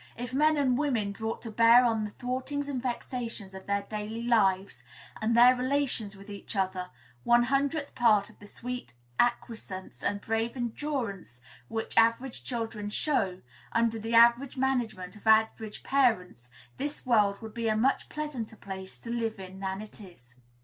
if men and women brought to bear on the thwartings and vexations of their daily lives, and their relations with each other, one hundredth part of the sweet acquiescence and brave endurance which average children show, under the average management of average parents, this world would be a much pleasanter place to live in than it is.